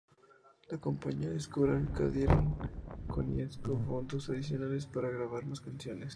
La compañía discográfica dieron Konietzko fondos adicionales para grabar más canciones.